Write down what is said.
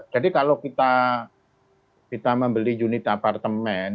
jadi kalau kita membeli unit apartemen itu kan ada di pasar primer ada di pasar perusahaan